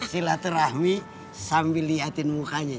silaturahmi sambil liatin mukanya